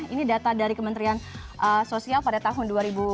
ini data dari kementerian sosial pada tahun dua ribu dua puluh